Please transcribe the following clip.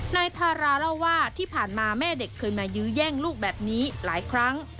นายทาราเล่าว่าที่ผ่านมาแม่เด็กเคยมายื้อแย่งลูกแบบนี้หลายครั้ง